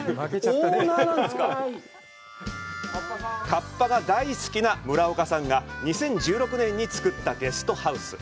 かっぱが大好きな村岡さんが２０１６年に造ったゲストハウス。